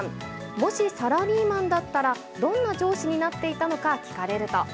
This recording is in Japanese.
もしサラリーマンだったら、どんな上司になっていたのか聞かれると。